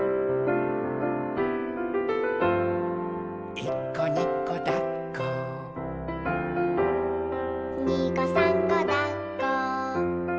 「いっこにこだっこ」「にこさんこだっこ」